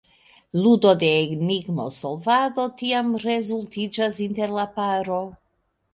Ludo de enigmo-solvado tiam rezultiĝas inter la paro.